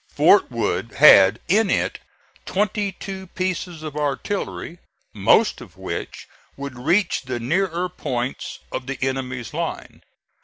Fort Wood had in it twenty two pieces of artillery, most of which would reach the nearer points of the enemy's line.